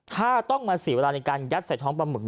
ถ้าต้องมาเสียเวลาในการยัดใส่ท้องปลาหมึก